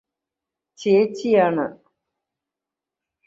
ചേച്ചിയാണ്